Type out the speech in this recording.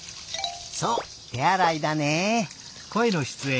そうてあらいだね。